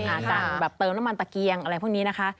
การแบบเติมน้ำมันตะเกียงอะไรพวกนี้นะคะ